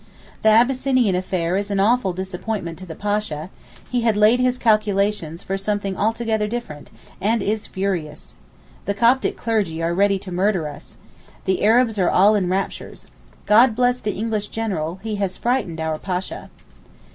The Abyssinian affair is an awful disappointment to the Pasha; he had laid his calculations for something altogether different, and is furious. The Coptic clergy are ready to murder us. The Arabs are all in raptures. 'God bless the English general, he has frightened our Pasha.